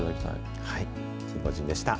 キンゴジンでした。